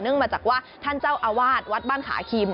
มาจากว่าท่านเจ้าอาวาสวัดบ้านขาคีม